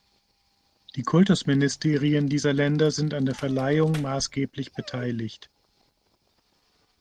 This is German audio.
Die Kultusministerien dieser Länder sind an der Verleihung maßgeblich beteiligt.